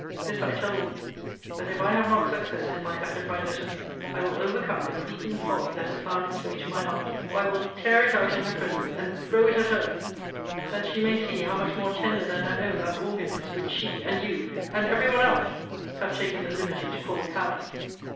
This I tell thee, that if I have not success in my effort by letter, I will overcome the creeping folly that has found its way to my heart, or I will tear it out in her presence, and throw it at her's, that she may see how much more tender than her own that organ is, which she, and you, and every one else, have taken the liberty to call callous.